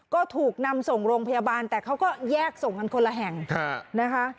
ก็ถูกนำส่งโรงพยาบาลแต่เขาก็แยกส่งกันคนละแห่งนะคะ